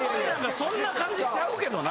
そんな感じちゃうけどな。